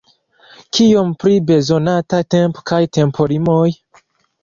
Kion pri bezonata tempo kaj tempolimoj?